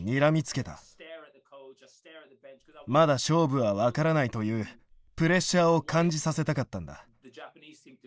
まだ勝負は分からないというプレッシャーを感じさせたかったんだ。